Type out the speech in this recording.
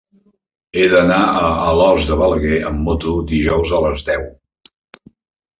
He d'anar a Alòs de Balaguer amb moto dijous a les deu.